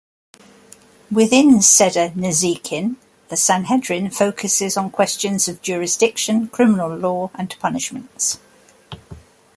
Within Seder Nezikin, the Sanhedrin focuses on questions of jurisdiction, criminal law and punishments.